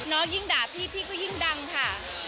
น้องยิ่งด่าพี่พี่ก็ยิ่งดังค่ะ